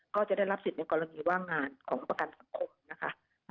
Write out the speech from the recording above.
ก็จะได้รับสิทธิ์ในกรณีว่างงานของประกันสังคมนะคะ